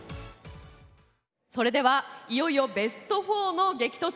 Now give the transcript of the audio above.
それではいよいよベスト４の激突。